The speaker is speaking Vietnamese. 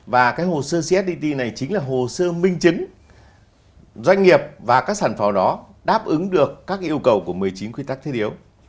và cái hồ sơ csd này chính là hồ sơ minh chứng doanh nghiệp và các sản phẩm đó đáp ứng được các yêu cầu của một mươi chín quy tắc thiết yếu